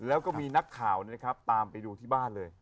แล้วก็มีนักข่าวนะครับตามไปดูที่บ้านเลย